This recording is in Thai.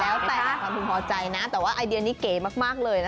แล้วแต่ความพึงพอใจนะแต่ว่าไอเดียนี้เก๋มากเลยนะ